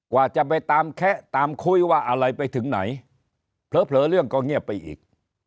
ว่าจะไปตามแคะตามคุยว่าอะไรไปถึงไหนเผลอเรื่องก็เงียบไปอีก